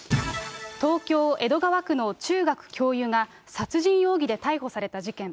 東京・江戸川区の中学教諭が、殺人容疑で逮捕された事件。